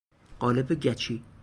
قالب گچی